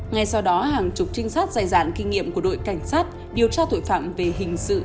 ngay sau đó hàng chục trinh sát dài dàn kinh nghiệm của đội cảnh sát điều tra tội phạm về hình sự